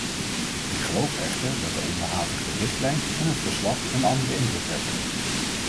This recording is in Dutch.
Ik geloof echter dat de onderhavige richtlijn en het verslag een andere indruk wekken.